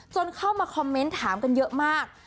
เข้ามาคอมเมนต์ถามกันเยอะมาก